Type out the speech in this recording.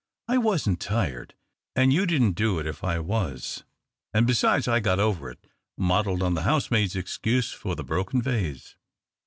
" I wasn't tired, and you didn't do it if I was, and besides I've got over it — modelled on the housemaid's excuse for the broken vase."